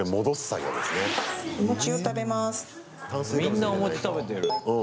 みんなお餅食べてる。